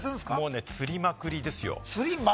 つりまくりですよ。